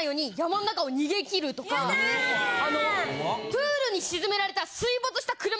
プールに沈められた。